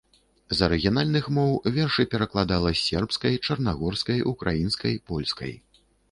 З арыгінальных моў вершы перакладала з сербскай, чарнагорскай, украінскай, польскай.